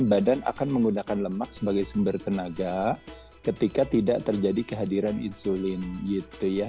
badan akan menggunakan lemak sebagai sumber tenaga ketika tidak terjadi kehadiran insulin gitu ya